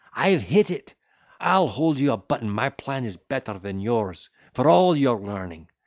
I have hit it—I'll hold you a button my plan is better than yours, for all your learning.